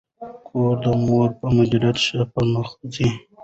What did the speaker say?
کور د مور په مدیریت ښه پرمخ ځي.